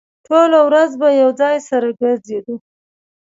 ټوله ورځ به يو ځای سره ګرځېدو.